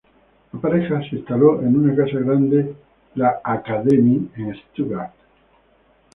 La pareja se instaló en una casa grande, la "Akademie" en Stuttgart.